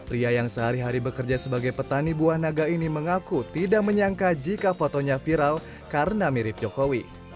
ria yang sehari hari bekerja sebagai petani buah naga ini mengaku tidak menyangka jika fotonya viral karena mirip jokowi